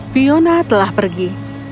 fiona telah pergi